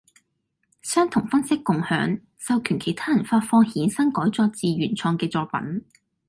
相同方式共享，授權其他人發放衍生改作自原創嘅作品